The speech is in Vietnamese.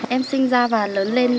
em sinh ra và lớn lên